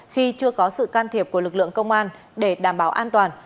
khi chưa có sự can thiệp của lực lượng công an để đảm bảo an toàn